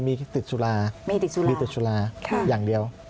มีมั้ยมีมีติดสุราอย่างเดียว